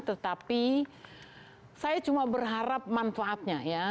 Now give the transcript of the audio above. tetapi saya cuma berharap manfaatnya ya